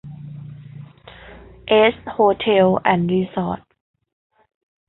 เอส โฮเทล แอนด์ รีสอร์ท